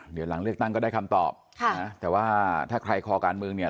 เดี๋ยวหลังเลือกตั้งก็ได้คำตอบค่ะนะแต่ว่าถ้าใครคอการเมืองเนี่ย